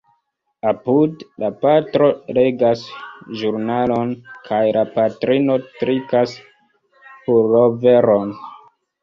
Apude, la patro legas ĵurnalon kaj la patrino trikas puloveron...